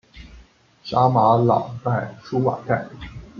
沙马朗代舒瓦盖。